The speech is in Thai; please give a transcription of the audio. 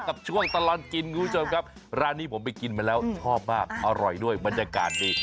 กับช่วงตลอดกินคุณผู้ชมครับร้านนี้ผมไปกินมาแล้วชอบมากอร่อยด้วยบรรยากาศดี